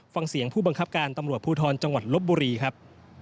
ฟังเสียงผู้บังคับการตำรวจภูทรจังหวัดลบบุรีครับ